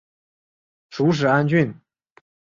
属始安郡。